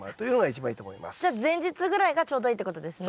じゃあ前日ぐらいがちょうどいいってことですね。